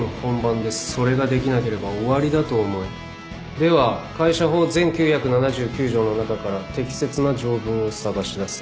では会社法全９７９条の中から適切な条文を探し出せ。